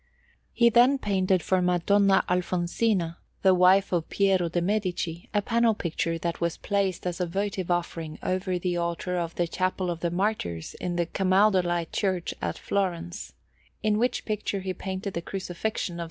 He then painted for Madonna Alfonsina, the wife of Piero de' Medici, a panel picture that was placed as a votive offering over the altar of the Chapel of the Martyrs in the Camaldolite Church at Florence: in which picture he painted the Crucifixion of S.